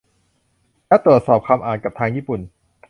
และตรวจสอบคำอ่านกับทางญี่ปุ่น